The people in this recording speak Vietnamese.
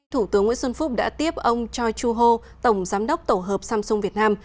thủ tướng nguyễn xuân phúc đã tiếp ông choi chu ho tổng giám đốc tổ hợp samsung việt nam